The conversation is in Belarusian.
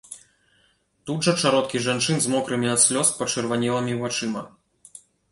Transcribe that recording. Тут жа чародкі жанчын з мокрымі ад слёз пачырванелымі вачыма.